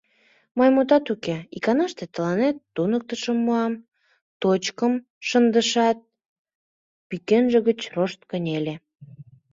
Мый, мутат уке, иканаште тыланет туныктышым муам, — точкым шындышат, пӱкенже гыч рошт кынеле.